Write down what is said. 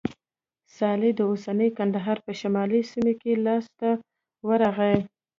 صالح د اوسني کندهار په شمالي سیمو کې لاسته ورغی.